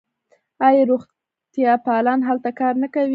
آیا روغتیاپالان هلته کار نه کوي؟